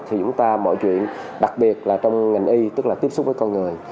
thì chúng ta mọi chuyện đặc biệt là trong ngành y tức là tiếp xúc với con người